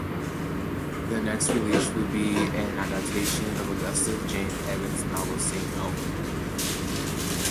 The next release would be an adaptation of Augusta Jane Evans's novel "Saint Elmo".